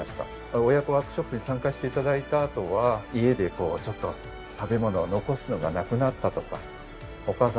親子ワークショップに参加して頂いたあとは家で食べ物を残すのがなくなったとかお母さん